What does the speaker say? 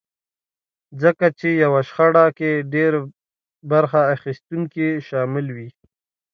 ځکه چې يوه شخړه کې ډېر برخه اخيستونکي شامل وي.